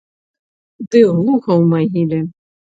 Ды глуха ў магіле.